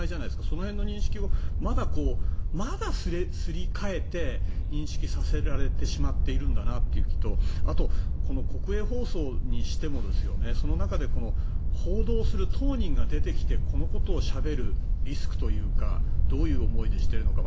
その辺の認識をまだすり替えて認識させられてしまっているんだなというのとあと、国営放送にしてもその中で報道する当人が出てきてこのことをしゃべるリスクというかどういう思いでしているのか。